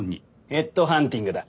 ヘッドハンティングだ。